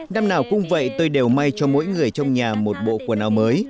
năm nào cũng vậy tôi đều may cho mỗi người trong nhà một bộ quần áo mới